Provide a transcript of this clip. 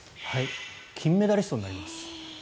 金メダリストになります。